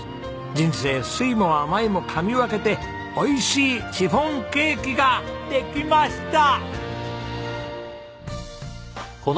人生酸いも甘いも噛み分けて美味しいシフォンケーキができました！